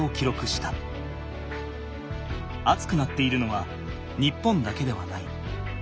暑くなっているのは日本だけではない。